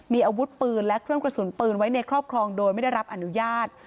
มีอาวุธปืนและเครื่องกระสุนปืนไว้ในครอบครองโดยไม่ได้รับอนุญาต